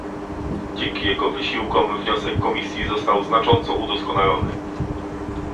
Dzięki jego wysiłkom wniosek Komisji został znacząco udoskonalony